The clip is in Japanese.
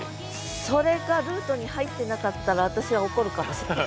それがルートに入ってなかったら私は怒るかもしれない。